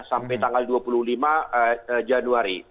sampai tanggal dua puluh lima januari